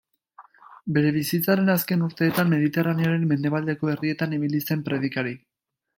Bere bizitzaren azken urteetan Mediterraneoaren mendebaldeko herrietan ibili zen predikari.